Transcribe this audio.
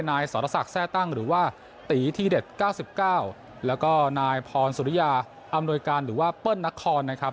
นายสรษักแทร่ตั้งหรือว่าตีทีเด็ด๙๙แล้วก็นายพรสุริยาอำนวยการหรือว่าเปิ้ลนครนะครับ